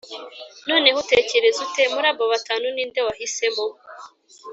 Noneho utekereza ute muri abo batatu ni nde wahisemo‽